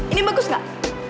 ini bagus gak